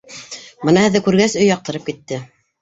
Бына һеҙҙе күргәс, өй яҡтырып китте.